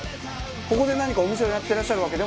ここで何かお店をやってらっしゃるわけでも？